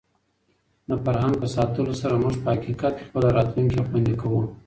د فرهنګ په ساتلو سره موږ په حقیقت کې خپله راتلونکې خوندي کوو.